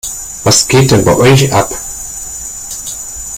Was geht denn bei euch ab?